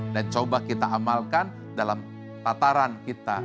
dan coba kita amalkan dalam tataran kita